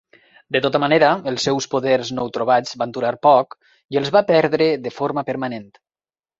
De tota manera, els seus poders nou-trobats van durar poc, i els va perdre de forma permanent.